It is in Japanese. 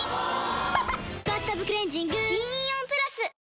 ・おぉ「バスタブクレンジング」銀イオンプラス！